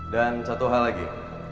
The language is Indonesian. dan satu hal lagi